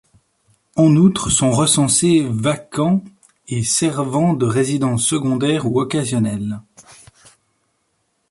En outre, sont recensés vacants, et servant de résidences secondaires ou occasionnelles.